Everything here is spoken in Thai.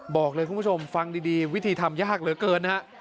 บอกเลยคุณผู้ชมฟังดีวิธีทำยากเหลือเกินนะฮะ